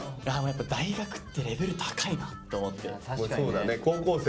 やっぱ大学ってレベル高いなって思って。